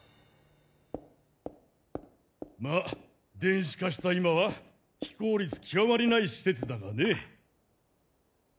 まあ電子化した今は非効率極まりない施設だがね。